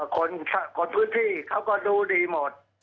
คนพื้นที่เขาก็ดูดีหมด